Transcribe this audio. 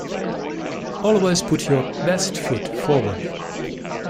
Always put your best foot forward.